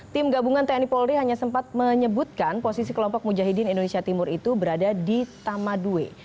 tim gabungan tni polri hanya sempat menyebutkan posisi kelompok mujahidin indonesia timur itu berada di tamadue